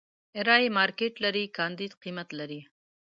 رايې مارکېټ لري، کانديد قيمت لري.